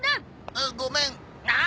あっごめんああ！